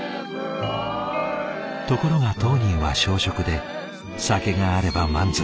ところが当人は小食で酒があれば満足。